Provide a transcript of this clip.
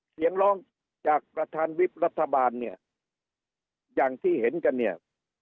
เสียงร้องจากประธานวิบรัฐบาลเนี่ยอย่างที่เห็นกันเนี่ย